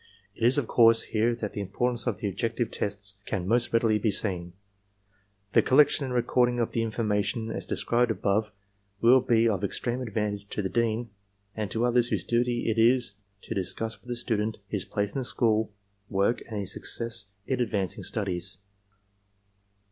It is, of course, here that the importance of the objective tests can most readily be seen. The collection and recording of the infonnation as described above will be of extreme advantage to the dean, and to others whose duty it is to discuss with the student his place in the school work and his success in advanced studies.